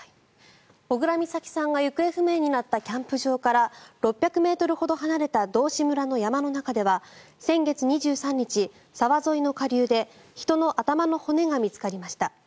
小倉美咲さんが行方不明になったキャンプ場から６００ｍほど離れた道志村の山の中では先月２３日、沢沿いの下流で人の頭の骨が見つかりました。